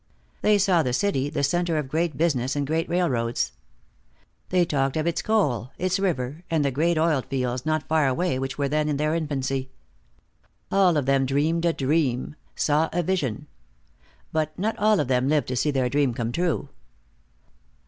They saw the city the center of great business and great railroads. They talked of its coal, its river, and the great oil fields not far away which were then in their infancy. All of them dreamed a dream, saw a vision. But not all of them lived to see their dream come true.